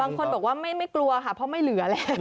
บางคนบอกว่าไม่กลัวค่ะเพราะไม่เหลือแล้ว